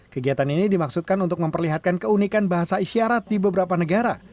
kegiatan ini dimaksudkan untuk memperlihatkan keunikan bahasa isyarat di beberapa negara